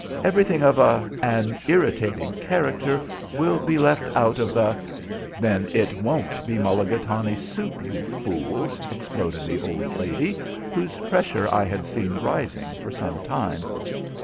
"Everything of a an irritating character will be left out of the " "Then it won't be mulligatawny soup, you fool!" exploded the old lady, whose pressure I had seen rising for some time.